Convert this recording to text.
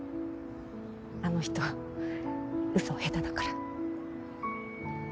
あの人嘘下手だから。